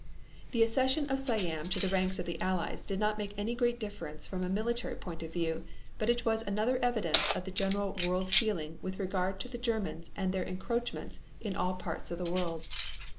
The accession of Siam to the ranks of the Allies did not make any great difference from a military point of view, but it was another evidence of the general world feeling with regard to the Germans and their encroachments in all parts of the world.